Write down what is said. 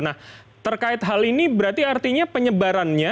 nah terkait hal ini berarti artinya penyebarannya